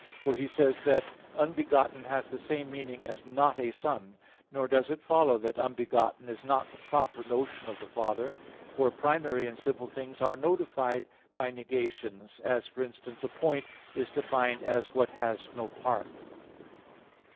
For he says that "unbegotten" has the same meaning as "not a son." Nor does it follow that "unbegotten" is not the proper notion of the Father; for primary and simple things are notified by negations; as, for instance, a point is defined as what has no part.